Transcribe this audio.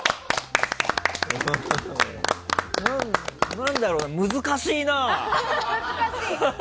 何だろうな難しいな。